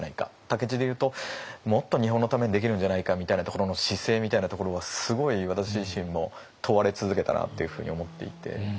武市でいうともっと日本のためにできるんじゃないかみたいなところの姿勢みたいなところはすごい私自身も問われ続けたなっていうふうに思っていて。